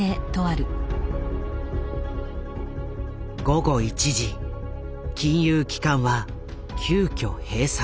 午後１時金融機関は急遽閉鎖。